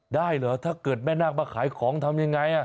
ได้เหรอถ้าเกิดแม่นาคมาขายของทำยังไง